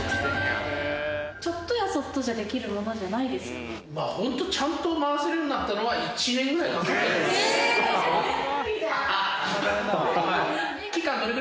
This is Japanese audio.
ちょっとやそっとじゃできる本当、ちゃんと回せるようになったのは、１年ぐらいですね。